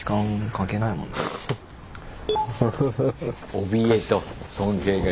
おびえと尊敬が。